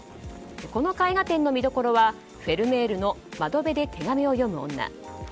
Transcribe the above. この絵画展の見どころはフェルメールの「窓辺で手紙を読む女」。